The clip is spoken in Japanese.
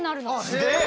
すげえ。